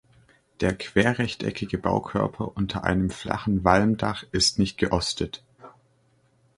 Der querrechteckige Baukörper unter einem flachen Walmdach ist nicht geostet.